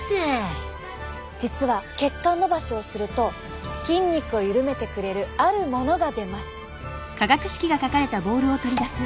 実は血管のばしをすると筋肉を緩めてくれるあるものが出ます。